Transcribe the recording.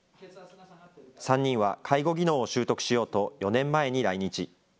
３人は介護技能を習得しようと、４年前に来日。